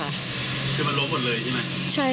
คือมันล้มหมดเลยใช่ไหม